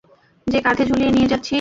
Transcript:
যে কাঁধে ঝুলিয়ে নিয়ে যাচ্ছিস?